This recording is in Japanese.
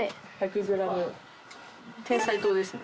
てんさい糖ですね。